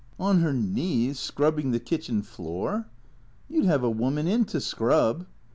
" On her knees, scrubbing the kitchen floor "" You 'd have a woman in to scrub."